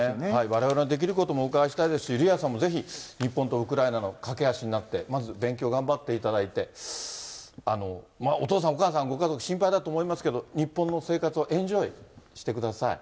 われわれのできることもお伺いしたいですし、ユリアさんもぜひ日本とウクライナの懸け橋になって、まず勉強頑張っていただいて、お父さん、お母さん、ご家族、心配だと思いますけど、日本の生活をエンジョイしてください。